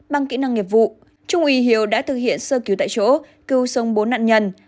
bằng kỹ năng nghiệp vụ trung úy hiếu đã thực hiện sơ cứu tại chỗ cứu sống bốn nạn nhân